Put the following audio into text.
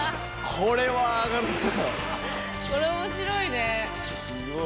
これ面白いね。